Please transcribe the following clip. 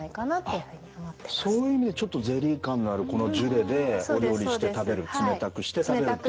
そういう意味でちょっとゼリー感のあるこのジュレでお料理して食べる冷たくして食べるっていうのが効果的だと。